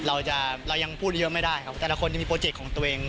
เราจะเรายังพูดเยอะไม่ได้ครับแต่ละคนยังมีโปรเจกต์ของตัวเอง